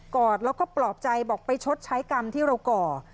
อดแล้วก็ปลอบใจบอกไปชดใช้กรรมที่เราก่อ